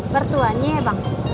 bertuahnya ya bang